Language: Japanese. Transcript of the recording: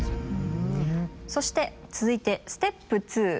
そして続いてステップ２。